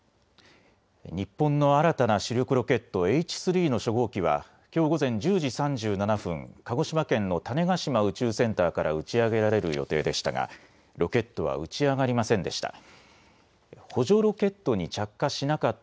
日本の新たな主力ロケット、Ｈ３の初号機はきょう午前１０時３７分、鹿児島県の種子島宇宙センターから打ち上げられる予定でしたがロケットは打ち上がりませんでした。